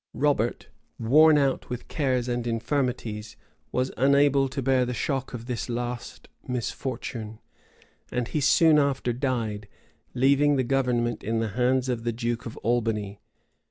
Robert, worn out with cares and infirmities, was unable to bear the shock of this last misfortune; and he soon after died, leaving the government in the hands of the duke of Albany.